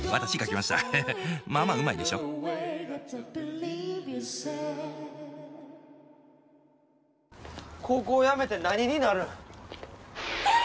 まあまあうまいでしょ高校やめて何になるん？